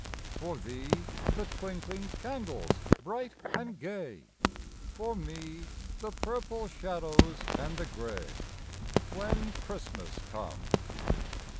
For thee, the twinkling candles bright and gay, For me, the purple shadows and the grey, When Christmas comes.